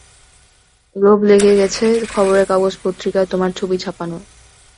লোভ লেগে গেছে খবরের কাগজ পত্রিকায় তোমার ছবি ছাপানোর।